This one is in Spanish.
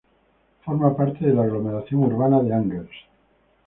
Forma parte de la aglomeración urbana de Angers.